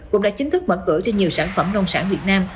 cũng đã chính thức mở cửa cho nhiều sản phẩm nông sản việt nam